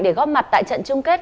để góp mặt tại trận chung kết